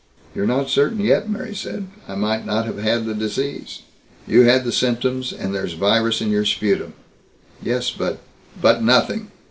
"You're not certain yet," Mary said. "I might not have had the disease." "You had the symptoms. And there's virus in your sputum." "Yes, but " "But, nothing!